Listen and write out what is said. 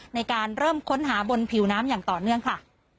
ในการเริ่มค้นหาบนผิวน้ำอย่างต่อเนื่องค่ะ